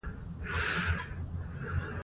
ښه اخلاق د انسان ریښتینې شتمني ده.